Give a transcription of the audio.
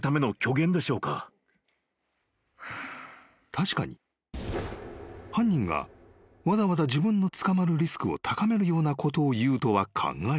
☎☎［確かに犯人がわざわざ自分の捕まるリスクを高めるようなことを言うとは考えづらい］